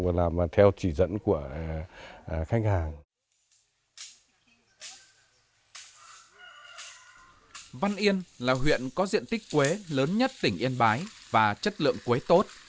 văn yên là huyện có diện tích quế lớn nhất tỉnh yên bái và chất lượng quế tốt